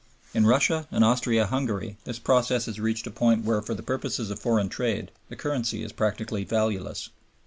In Russia and Austria Hungary this process has reached a point where for the purposes of foreign trade the currency is practically valueless.